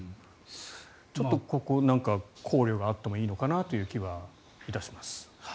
ちょっとここ、考慮があってもいいのかなという気はいたします。